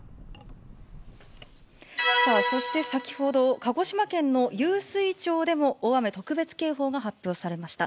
そして先ほど、鹿児島県の湧水町でも、大雨特別警報が発表されました。